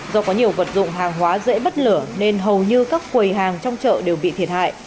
do có nhiều vật dụng hàng hóa dễ bắt lửa nên hầu như các quầy hàng trong chợ đều bị thiệt hại